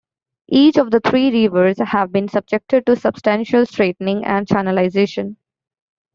Each of the three rivers have been subjected to substantial straightening and channelization.